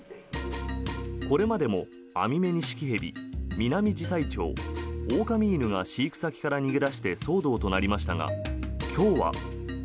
これまでもアミメニシキヘビミナミジサイチョウオオカミ犬が飼育先から逃げ出して騒動となりましたが今日は。